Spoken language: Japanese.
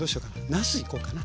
なすいこうかな。